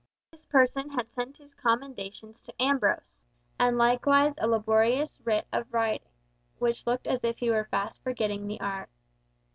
This person had sent his commendations to Ambrose, and likewise a laborious bit of writing, which looked as if he were fast forgetting the art.